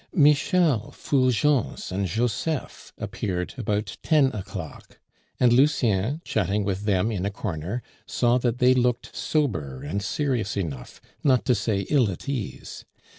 Michel, Fulgence, and Joseph appeared about ten o'clock; and Lucien, chatting with them in a corner, saw that they looked sober and serious enough, not to say ill at ease.